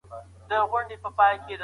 ټکنالوژي د څېړنې بهير ګړندی کوي.